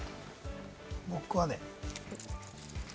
僕はね。